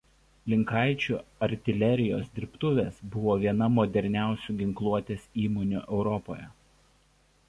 Linkaičių artilerijos dirbtuvės buvo viena moderniausių ginkluotės įmonių Europoje.